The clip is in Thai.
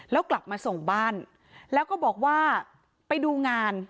แล้วกลับมาส่งบ้านแล้วก็บอกว่าไปดูงาน